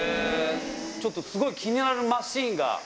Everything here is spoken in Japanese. ちょっとすごい気になるマシーンが。